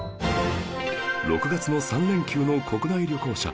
６月の３連休の国内旅行者